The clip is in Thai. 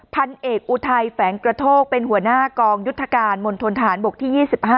พันเอกอุทัยแฝงกระโทกเป็นหัวหน้ากองยุทธการมณฑนทหารบกที่๒๕